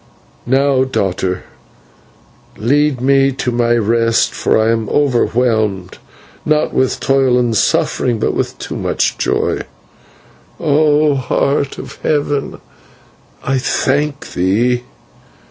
Now, daughter, lead me to my rest, for I am overwhelmed, not with toil and suffering, but with too much joy. O Heart of Heaven, I thank thee!"